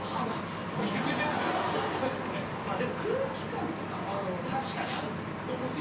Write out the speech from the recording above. でも空気感とかは確かにあると思うんですよ。